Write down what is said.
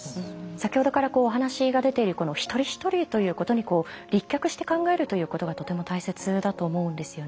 先ほどからお話が出ている一人一人ということに立脚して考えるということがとても大切だと思うんですよね。